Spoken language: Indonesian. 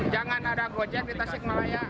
jangan ada gojek di tasikmalaya